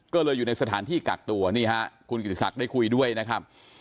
ก็เลยอยู่ในสถานที่กักตัวนี่ฮะคุณกิติศักดิ์ได้คุยด้วยนะครับ